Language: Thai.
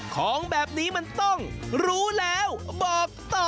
ของแบบนี้มันต้องรู้แล้วบอกต่อ